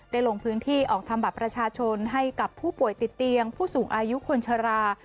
ลงพื้นที่ออกทำบัตรประชาชนให้กับผู้ป่วยติดเตียงผู้สูงอายุคนชรา